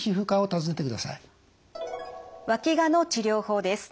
わきがの治療法です。